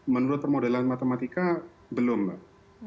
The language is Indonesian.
menurut permodelan matematika belum mbak